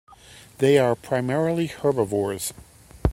They are primarily herbivorous.